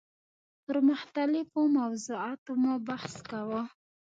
پر مختلفو موضوعاتو مو بحث کاوه.